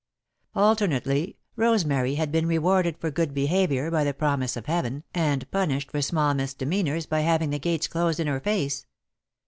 Alternately, Rosemary had been rewarded for good behaviour by the promise of Heaven and punished for small misdemeanours by having the gates closed in her face.